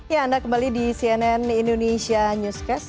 ya anda kembali di cnn indonesia newscast